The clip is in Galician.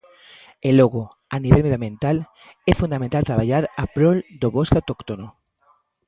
E logo, a nivel medioambiental, é fundamental traballar a prol do bosque autóctono.